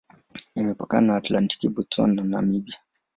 Imepakana na Atlantiki, Botswana na Namibia.